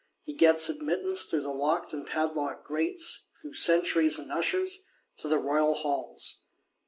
He gets admittance through the locked and padlocked Grates, through sentries and ushers, to the Royal Halls.